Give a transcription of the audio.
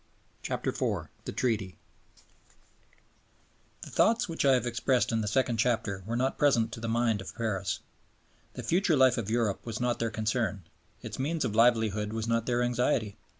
CHAPTER IV THE TREATY The thoughts which I have expressed in the second chapter were not present to the mind of Paris. The future life of Europe was not their concern; its means of livelihood was not their anxiety.